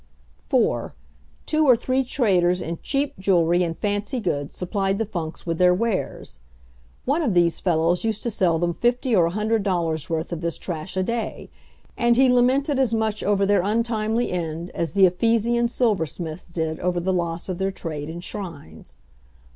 4. Two or three traders in cheap jewelry and fancy goods supplied the Funks with their wares. One of these fellows used to sell them fifty or a hundred dollars' worth of this trash a day; and he lamented as much over their untimely end as the Ephesian silversmiths did over the loss of their trade in shrines.